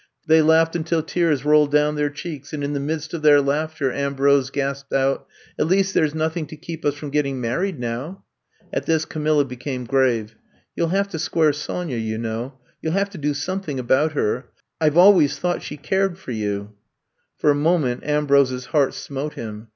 They laughed until tears rolled down their cheeks, and in the midst of their laughter Ambrose gasped out : ^^At least there 's nothing to keep us from getting married now. '' At this Camilla became grave. You 11 have to square Sonya, you know. You 'U have to do something about her. I Ve al ways thought she cared for you.'* For a moment Ambrose's heart smote him.